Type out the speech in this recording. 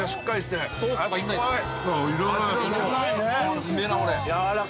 うめぇなこれ。